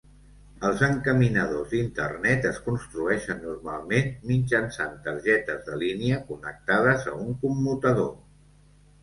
Els encaminadors d'Internet es construeixen normalment mitjançant targetes de línia connectades a un commutador.